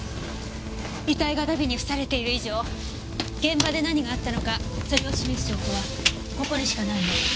遺体が荼毘に付されている以上現場で何があったのかそれを示す証拠はここにしかないの。